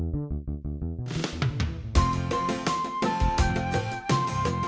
tasik tasik tasik